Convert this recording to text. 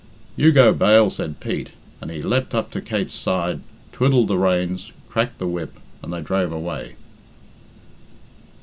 "You go bail," said Pete, and he leapt up to Kate's side, twiddled the reins, cracked the whip, and they drove away.